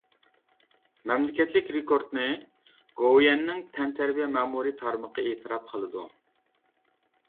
مەملىكەتلىك رېكورتنى گوۋۇيۈەننىڭ تەنتەربىيە مەمۇرىي تارمىقى ئېتىراپ قىلىدۇ.